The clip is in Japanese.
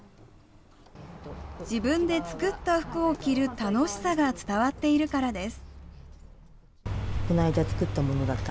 自分で作った服を着る楽しさが伝わっているからです。